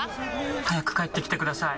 早く帰ってきてください。